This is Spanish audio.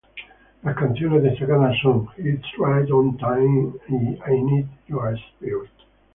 Las canciones destacadas son "He's Right On Time" y "I Need Your Spirit".